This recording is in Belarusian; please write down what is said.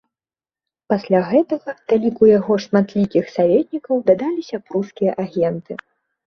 Пасля гэтага да ліку яго шматлікіх саветнікаў дадаліся прускія агенты.